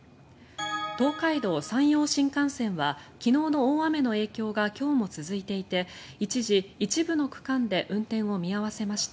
東海道・山陽新幹線は昨日の大雨の影響が今日も続いていて一時、一部の区間で運転を見合わせました。